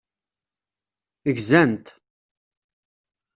Ggzen-t.